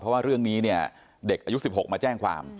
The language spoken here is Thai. เพราะว่าเรื่องนี้เนี่ยเด็กอายุ๑๖มาแจ้งความ